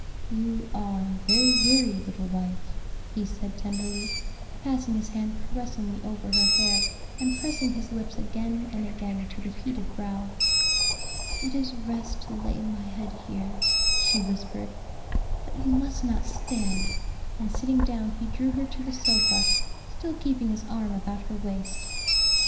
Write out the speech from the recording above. "You are very weary, little wife," he said tenderly, passing his hand caressingly over her hair and pressing his lips again and again to the heated brow. "It is rest to lay my head here," she whispered. "But you must not stand;" and sitting down he drew her to the sofa, still keeping his arm about her waist.